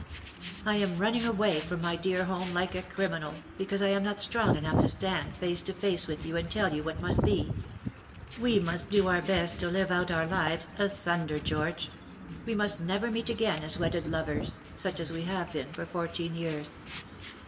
I am running away from my dear home like a criminal, because I am not strong enough to stand face to face with you and tali yon what must be. We must do our best to live rrat our lives asunder, George ; we must never meet again as wedded lovers, such as we have been for fourteen years.